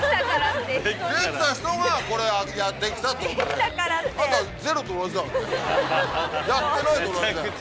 できた人がこれできたってことであとはゼロと同じだからねやってないと同じだから。